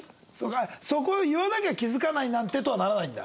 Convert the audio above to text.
そこは「言わなきゃ気付かないなんて」とはならないんだ。